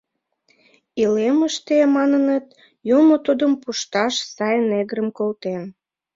Илемыште маныныт: «Юмо тудым пушташ сай негрым колтен».